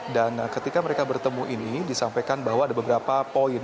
dan ketika mereka bertemu ini disampaikan bahwa ada beberapa poin